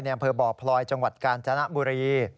แนมเพลิดบอกพลอยจังหวัดการจนะบุรี